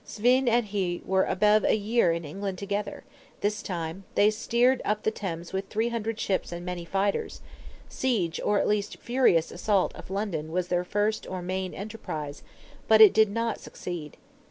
Svein and he "were above a year in England together," this time: they steered up the Thames with three hundred ships and many fighters; siege, or at least furious assault, of London was their first or main enterprise, but it did not succeed.